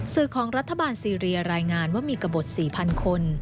สื่อของรัฐบาลซีเรียรายงานว่ามีกระบด๔๐๐คน